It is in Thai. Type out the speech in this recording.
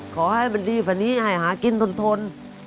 ขอให้มันดีกว่านี้ให้หากินทน